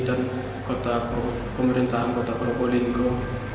dan kota pemerintahan kota probolinggo